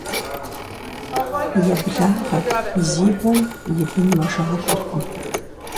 Еблагъэ зи бэм и бын мэжалӀэркъым.